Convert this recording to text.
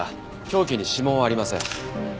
凶器に指紋はありません。